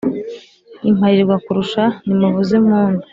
Imparirwa-kurusha nimuvuze impundu